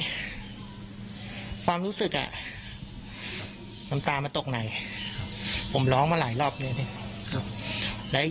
ความรู้สึกอ่ะน้ำตามันตกไหนผมร้องมาหลายรอบเลย